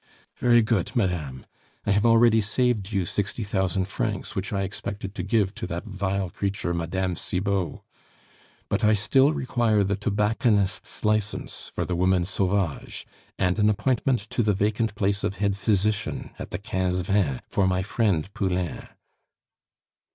"Very good, madame. I have already saved you sixty thousand francs which I expected to give to that vile creature Mme. Cibot. But I still require the tobacconist's license for the woman Sauvage, and an appointment to the vacant place of head physician at the Quinze Vingts for my friend Poulain."